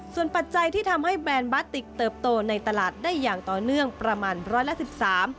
ส่วนปัจจัยที่ทำให้แบรนด์บาติกเติบโตในตลาดได้อย่างต่อเนื่องประมาณร้อยละสิบสาม